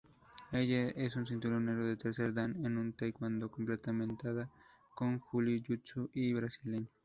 Ella es cinturón negro de tercer dan en Taekwondo complementada con Jiu-jitsu brasileño.